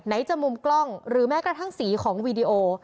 จะมุมกล้องหรือแม้กระทั่งสีของวีดีโอ